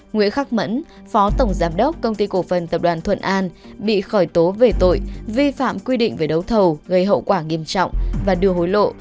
nguyễn khắc mẫn phó tổng giám đốc công ty cổ phần tập đoàn thuận an bị khởi tố về tội vi phạm quy định về đấu thầu gây hậu quả nghiêm trọng và đưa hối lộ